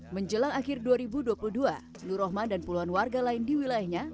menjelang akhir dua ribu dua puluh dua nur rahman dan puluhan warga lain di wilayahnya